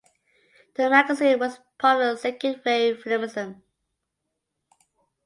The magazine was part of the second wave feminism.